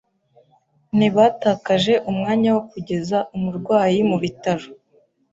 Ntibatakaje umwanya wo kugeza umurwayi mu bitaro.